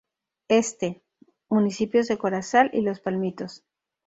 Este: Municipios de Corozal y Los Palmitos.